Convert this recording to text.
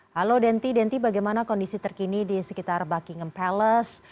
halo denti denti bagaimana kondisi terkini di sekitar buckingham palace